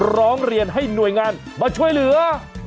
ร้องเรียนให้หน่วยงานมาช่วยเหลือ